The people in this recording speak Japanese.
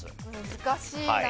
難しいな。